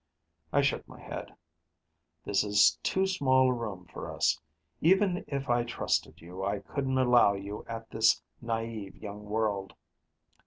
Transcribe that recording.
I shook my head. "This is too small a room for us. Even if I trusted you, I couldn't allow you at this naive young world."